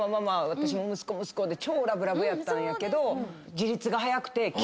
私も息子息子で超ラブラブやったんやけど。